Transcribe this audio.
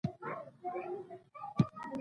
جانداد د ارام او سړیتوب نښه ده.